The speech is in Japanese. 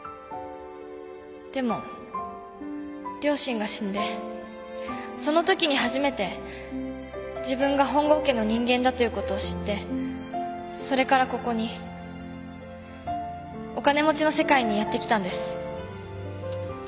でも両親が死んでそのときに初めて自分が本郷家の人間だということを知ってそれからここにお金持ちの世界にやって来たんです。